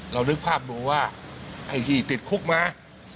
นึกภาพดูว่าไอ้ที่ติดคุกมา